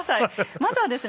まずはですね。